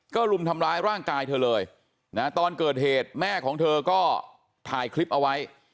ก็ลุมทำร้ายร่างกายเธอเลยนะตอนเกิดเหตุแม่ของเธอก็ถ่ายคลิปเอาไว้